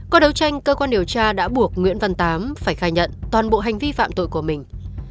qua đấu tranh cơ quan điều tra đã buộc nguyễn văn tám phải khai nhận toàn bộ hành vi phạm tội của mình